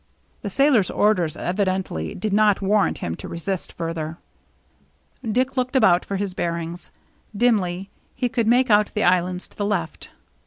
The sailor's orders evidently did not warrant him to resist further. Dick looked about for his bearings. Dimly he could make out the islands to the left.